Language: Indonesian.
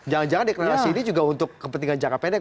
jangan jangan deklarasi ini juga untuk kepentingan jangka pendek